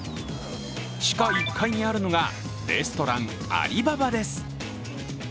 地下１階にあるのがレストラン亜利巴巴です。